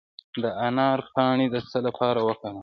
د انار پاڼې د څه لپاره وکاروم؟